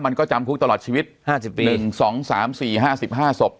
มันก็จำคุกตลอดชีวิตห้าสิบปีหนึ่งสองสามสี่ห้าสิบห้าสบ